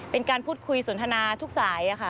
เป็นการพูดคุยสนทนาทุกสายค่ะ